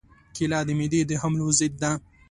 کېله د معدې د حملو ضد ده.